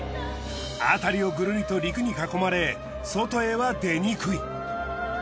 辺りをぐるりと陸に囲まれ外へは出にくい。